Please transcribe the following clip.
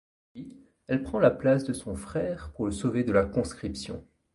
Puis, elle prend la place de son frère pour le sauver de la conscription.